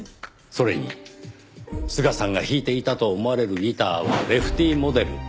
それに須賀さんが弾いていたと思われるギターはレフティモデル。